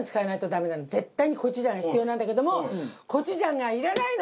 絶対にコチュジャンが必要なんだけどもコチュジャンがいらないの！